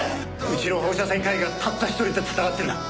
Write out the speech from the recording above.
「うちの放射線科医がたった一人で闘ってんだ」